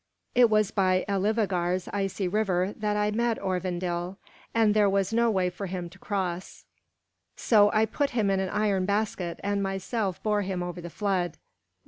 It was by Elivâgar's icy river that I met Örvandil, and there was no way for him to cross. So I put him in an iron basket and myself bore him over the flood.